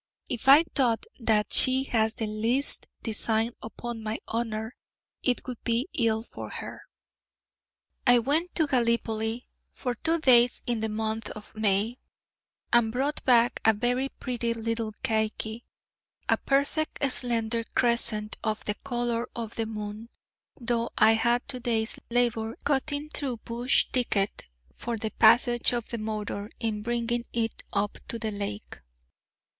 If I thought that she has the least design upon my honour, it would be ill for her. I went to Gallipoli for two days in the month of May, and brought back a very pretty little caique, a perfect slender crescent of the colour of the moon, though I had two days' labour in cutting through bush thicket for the passage of the motor in bringing it up to the lake.